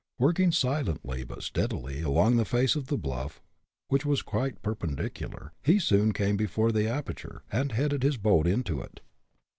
Working silently but steadily along the face of the bluff, which was quite perpendicular, he soon came before the aperture, and headed his boat into it.